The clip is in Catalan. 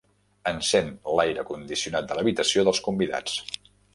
Encén l'aire condicionat de l'habitació dels convidats.